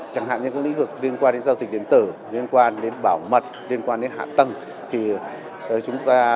chẳng hạn những lĩnh vực liên quan đến giao dịch điện tử liên quan đến bảo mật liên quan đến hạ tầng